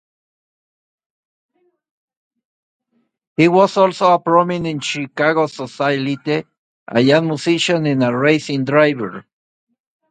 He was also a prominent Chicago socialite, a jazz musician, and a racing driver.